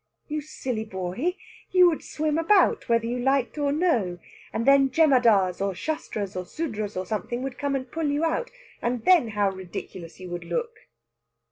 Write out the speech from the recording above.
"You silly boy! You would swim about, whether you liked or no. And then Jemadars, or Shastras, or Sudras, or something would come and pull you out. And then how ridiculous you would look!"